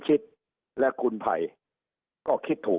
สุดท้ายก็ต้านไม่อยู่